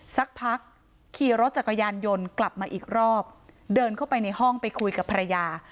สักพักขี่รถจักรยานยนต์กลับมาอีกรอบเดินเข้าไปในห้องไปคุยกับภรรยา